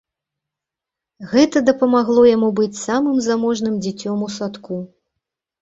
Гэта дапамагло яму быць самым заможным дзіцём у садку.